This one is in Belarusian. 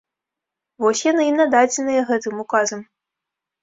Вось яны і нададзеныя гэтым указам.